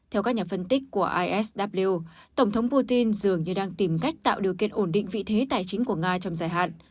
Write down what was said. theo các nhà phân tích của isw tổng thống putin dường như đang tìm cách tạo điều kiện ổn định vị thế tài chính của nga trong dài hạn